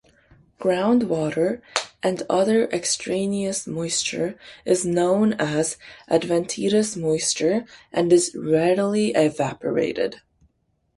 Groundwater and other extraneous moisture is known as "adventitious moisture" and is readily evaporated.